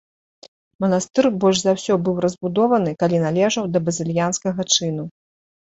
Манастыр больш за ўсё быў разбудованы, калі належаў да базыльянскага чыну.